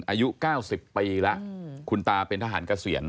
อายุ๙๐ปีแล้วคุณตาเป็นทหารเกษียณ